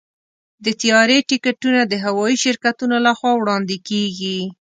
د طیارې ټکټونه د هوايي شرکتونو لخوا وړاندې کېږي.